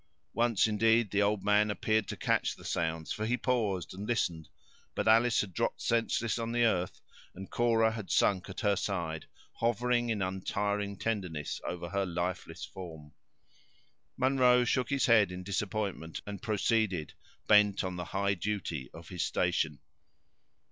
Once, indeed, the old man appeared to catch the sound, for he paused and listened; but Alice had dropped senseless on the earth, and Cora had sunk at her side, hovering in untiring tenderness over her lifeless form. Munro shook his head in disappointment, and proceeded, bent on the high duty of his station.